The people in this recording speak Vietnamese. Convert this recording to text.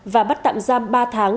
và bắt tạm giam ba tháng